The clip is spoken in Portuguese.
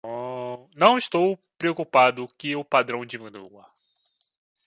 Não estou preocupado que o padrão diminua.